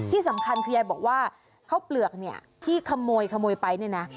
ที่สำคัญคือยายบอกว่าข้าวเปลือกเนี่ยที่ขโมยขโมยไปเนี่ยนะ